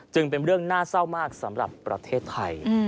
เป็นเรื่องน่าเศร้ามากสำหรับประเทศไทย